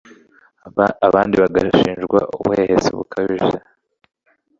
abandi bagashinjwa ubuhehesi bukabije